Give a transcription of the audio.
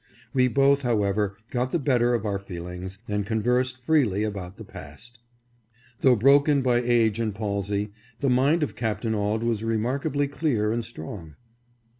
We both, however, got the better of our feelings, and conversed freely about the past. Though broken by age and palsy, the mind of Capt. Auld was remarkably clear and strong.